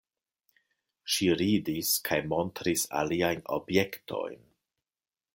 Ŝi ridis kaj montris aliajn objektojn.